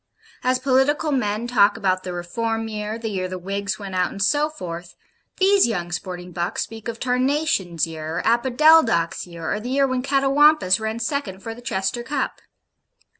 As political men talk about 'the Reform year,' 'the year the Whigs went out,' and so forth, these young sporting bucks speak of TARNATION'S year, or OPODELDOC'S year, or the year when CATAWAMPUS ran second for the Chester Cup.